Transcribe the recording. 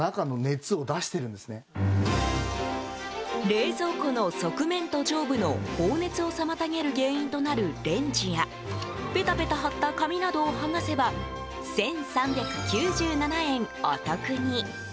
冷蔵庫の側面と上部の放熱を妨げる原因となるレンジやペタペタ貼った紙などを剥がせば１３９７円お得に。